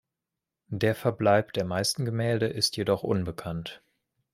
Der Verbleib der meisten Gemälde ist jedoch unbekannt.